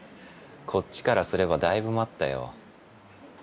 こっちからすればだいぶ待ったよ。